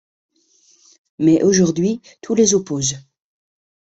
Mais aujourd’hui tout les oppose.